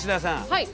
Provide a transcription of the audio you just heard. はい。